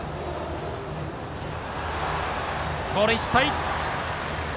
盗塁失敗。